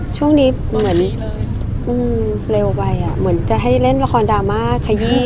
ช่วงนี้มันเหมือนเร็วไปอ่ะเหมือนจะให้เล่นละครดราม่าขยี้